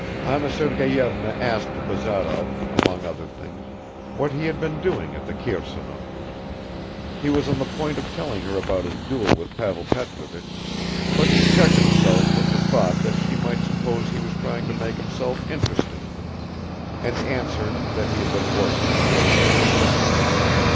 Anna Sergeyevna asked Bazarov, among other things, what he had been doing at the Kirsanovs'. He was on the point of telling her about his duel with Pavel Petrovich, but he checked himself with the thought that she might suppose he was trying to make himself interesting, and answered that he had been working the whole time.